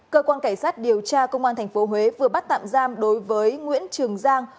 cơ quan cảnh sát điều tra công an tp huế vừa bắt tạm giam đối với nguyễn trường giang